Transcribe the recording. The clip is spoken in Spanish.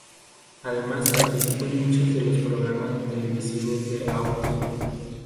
Además participó en muchos de los programas televisivos de Autry.